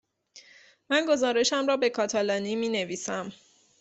من گزارشم را به کاتالانی می نویسم.